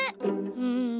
うん。